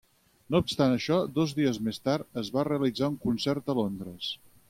No obstant això, dos dies més tard, es va realitzar un concert a Londres.